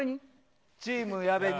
チーム矢部に。